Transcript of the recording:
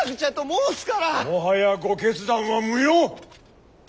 もはやご決断は無用！